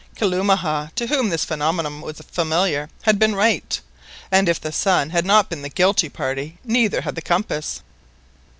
Kalumah, to whom this phenomenon was familiar, had been right, and if the sun had not been the guilty party neither had the compass!